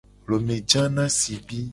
Hlome ja na sibi.